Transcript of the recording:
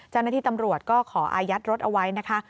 เจ้าหน้าที่ตำรวจก็ขออายัดรถเอาไว้นะคะ